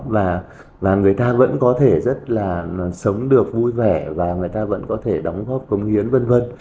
và người ta vẫn có thể rất là sống được vui vẻ và người ta vẫn có thể đóng góp công hiến vân vân